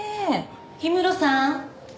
氷室さん。